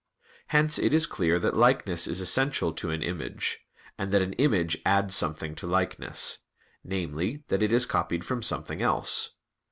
Hence it is clear that likeness is essential to an image; and that an image adds something to likeness namely, that it is copied from something else.